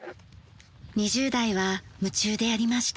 ２０代は夢中でやりました。